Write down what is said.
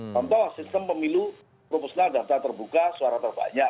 contoh sistem pemilu propusna daftar terbuka suara terbanyak